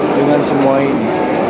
dengan semua ini